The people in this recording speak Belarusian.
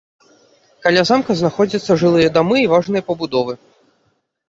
Каля замка знаходзяцца жылыя дамы і важныя пабудовы.